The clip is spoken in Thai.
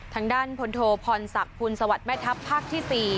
ทางด้านพลโทพรศักดิ์ภูลสวัสดิ์แม่ทัพภาคที่๔